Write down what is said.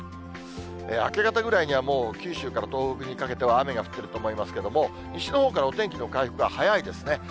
明け方ぐらいには、もう九州から東北にかけては雨が降っていると思いますけれども、西のほうからお天気の回復が早いですね。